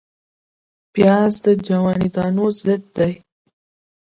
پیاز د جواني دانو ضد دی